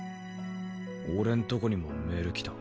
俺んとこにもメール来た。